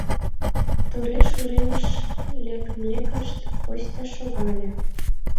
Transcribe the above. Тореш уремыш лекмекышт, Костя шогале.